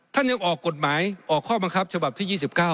ยังออกกฎหมายออกข้อบังคับฉบับที่๒๙